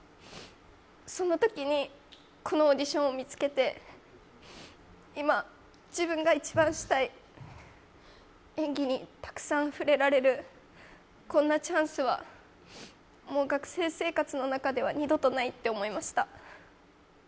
そんなときに、このオーディションを見つけて、今、自分が一番したい演技にたくさん触れられるこんなチャンスはもう学生生活の中では二度とないと思いました。